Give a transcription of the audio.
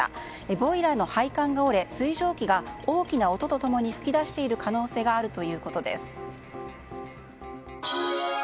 ボイラーの配管が折れ、水蒸気が大きな音と共に噴き出している可能性があるということです。